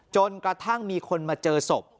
จนกระทั่งมีคนมาเจอศพ